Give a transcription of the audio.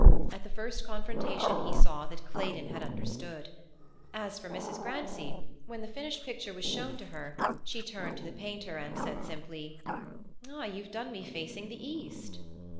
At the first confrontation he saw that Claydon had understood. As for Mrs. Grancy, when the finished picture was shown to her she turned to the painter and said simply: "Ah, you've done me facing the east!"